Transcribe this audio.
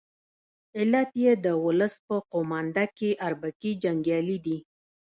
علت یې د ولس په قومانده کې اربکي جنګیالي دي.